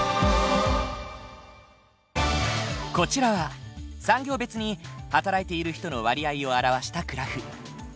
こちらは産業別に働いている人の割合を表したグラフ。